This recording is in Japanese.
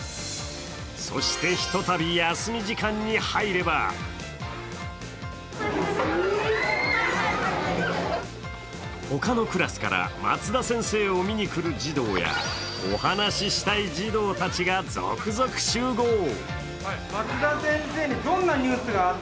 そして、ひとたび休み時間に入れば他のクラスから松田先生を見に来る児童やお話ししたい児童たちが続々集合。